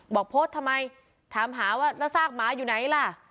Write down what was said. บอกโพสต์ทำไมถามหาว่าแล้วซากหมาอยู่ไหนล่ะ